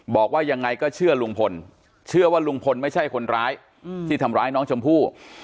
บอกว่ายังไงก็เชื่อลุงพลเชื่อว่าลุงพลไม่ใช่คนร้ายที่ทำร้ายน้องชมพู่